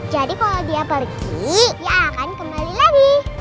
jadi kalau dia pergi dia akan kembali lagi